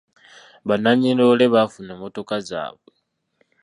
Bannannyini loole baafuna emmotoka zaabwe.